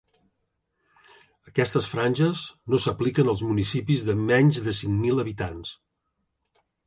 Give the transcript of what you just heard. Aquestes franges no s’apliquen als municipis de menys de cinc mil habitants.